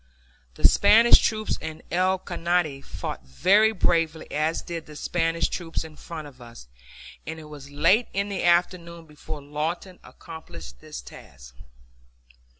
The Spanish troops in El Caney fought very bravely, as did the Spanish troops in front of us, and it was late in the afternoon before Lawton accomplished his task.